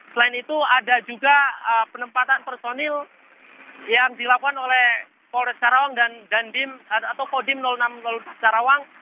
selain itu ada juga penempatan personil yang dilakukan oleh polres karawang dandim atau kodim enam karawang